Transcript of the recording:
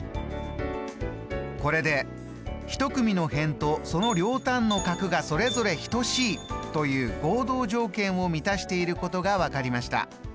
これで「１組の辺とその両端の角がそれぞれ等しい」という合同条件を満たしていることが分かりました。